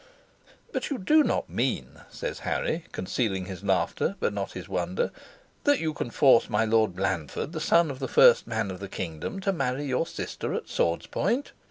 "But you do not mean," says Harry, concealing his laughter, but not his wonder, "that you can force my Lord Blandford, the son of the first man of this kingdom, to marry your sister at sword's point?"